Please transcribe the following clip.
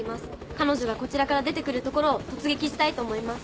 彼女がこちらから出てくるところを突撃したいと思います。